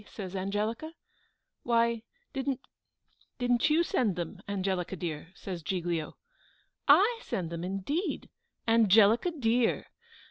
says Angelica. "Why, didn't didn't you send them, Angelica dear?" says Giglio. "I send them indeed! Angelica dear!